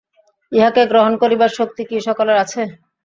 ইহাকে গ্রহণ করিবার শক্তি কি সকলের আছে?